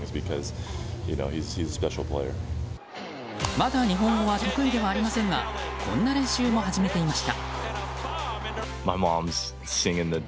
まだ日本語は得意ではありませんがこんな練習も始めていました。